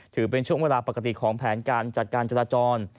ถือเป็นช่วงเวลาปกติของแผนการจัดการจราจร